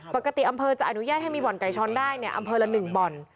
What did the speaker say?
ปกติอำเภอจะอนุญาตให้มีบ่อนไก่ชนได้เนี่ยอำเภอละ๑บ่อน